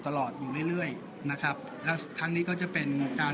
ตลอดอยู่เรื่อยเรื่อยนะครับแล้วครั้งนี้ก็จะเป็นการ